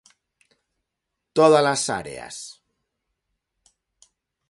Todas as áreas.